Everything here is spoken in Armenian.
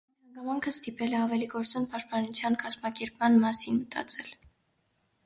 Այդ հանգամանքը ստիպել է ավելի գործուն պաշտպանության կազմակերպման մասին մտածել։